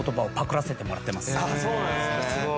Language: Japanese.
あっそうなんですね。